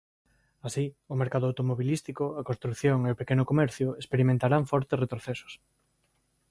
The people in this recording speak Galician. Así, o mercado automobilístico, a construción e o pequeno comercio experimentarán fortes retrocesos.